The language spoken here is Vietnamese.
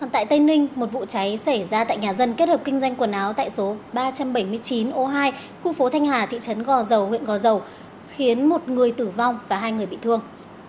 tại tây ninh một vụ cháy xảy ra tại nhà dân kết hợp kinh doanh quần áo tại số ba trăm bảy mươi chín ô hai khu phố thanh hà thị trấn gò dầu huyện gò dầu khiến một người tử vong và hai người bị thương